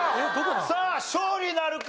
さあ勝利なるか？